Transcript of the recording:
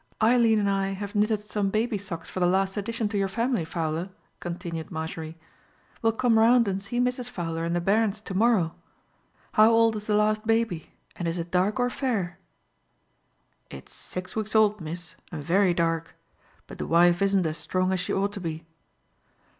"Eileen and I have knitted some baby socks for the last addition to your family, Fowler," continued Marjorie. "We'll come round and see Mrs. Fowler and the bairns to morrow. How old is the last baby? and is it dark or fair?" "It's six weeks old, miss, and very dark; but the wife isn't as strong as she ought to be."